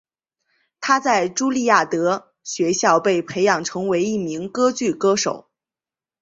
她在朱利亚德学校被培养成为一名歌剧歌手。